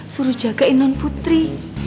suruh jagain non putri